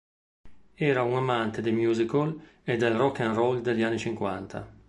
Era un amante dei musical e del rock and roll degli anni cinquanta.